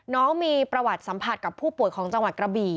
น้องมีประวัติสัมผัสกับผู้ป่วยของจังหวัดกระบี่